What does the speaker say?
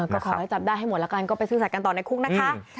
ก็ขอให้จับได้ให้หมดแล้วกันก็ไปซื่อสัตว์ต่อในคุกนะคะ